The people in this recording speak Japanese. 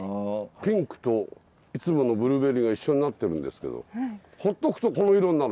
ピンクといつものブルーベリーが一緒になってるんですけどほっとくとこの色になる？